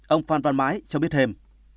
ông phan văn mãi cho biết thêm